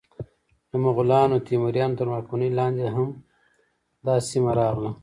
د مغولانو، تیموریانو تر واکمنۍ لاندې هم دا سیمه راغله.